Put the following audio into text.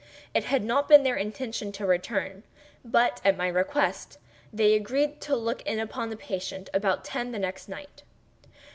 It had not been their intention to return; but, at my request, they agreed to look in upon the patient about ten the next night.